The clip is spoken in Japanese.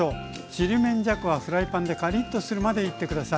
ちりめんじゃこはフライパンでカリっとするまでいって下さい。